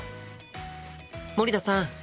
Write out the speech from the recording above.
森田さん